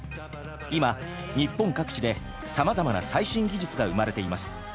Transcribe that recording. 今日本各地でさまざまな最新技術が生まれています。